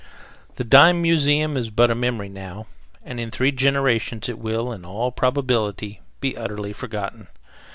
The dime museum is but a memory now, and in three generations it will, in all probability, be utterly forgotten.